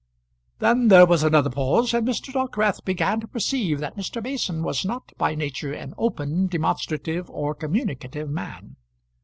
Then there was another pause, and Mr. Dockwrath began to perceive that Mr. Mason was not by nature an open, demonstrative, or communicative man.